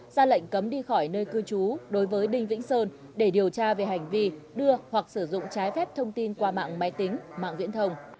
ra lệnh cấm đi khỏi nơi cư trú đối với đinh vĩnh sơn để điều tra về hành vi đưa hoặc sử dụng trái phép thông tin qua mạng máy tính mạng viễn thông